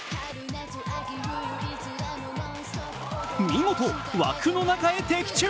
見事、枠の中へ的中。